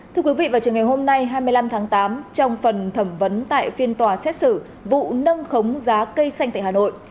thưa quý vị vào trường ngày hôm nay hai mươi năm tháng tám trong phần thẩm vấn tại phiên tòa xét xử vụ nâng khống giá cây xanh tại hà nội